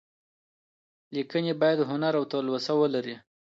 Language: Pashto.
ليکنې بايد هنر او تلوسه ولري.